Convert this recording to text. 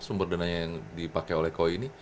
sumber dananya yang dipakai oleh koi ini